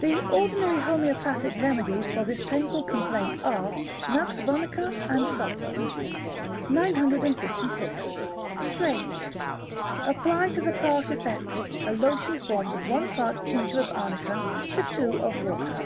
The ordinary homoeopathic remedies for this painful complaint are Nux vomica and Sulphur. 956. Sprains. Apply to the part affected a lotion formed of one part of tincture of Arnica to two of water.